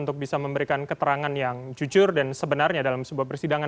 untuk bisa memberikan keterangan yang jujur dan sebenarnya dalam sebuah persidangan